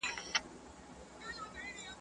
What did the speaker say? تر کاچوغي ئې لاستی دروند دئ.